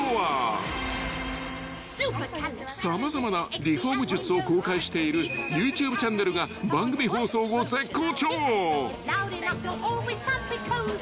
［様々なリフォーム術を公開しているＹｏｕＴｕｂｅチャンネルが番組放送後絶好調］